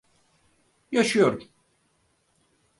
Yaşıyorum.